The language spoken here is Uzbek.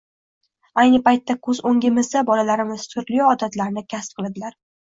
Ayni paytda ko‘z o‘ngimizda bolalarimiz turli odatlarni kasb qiladilar.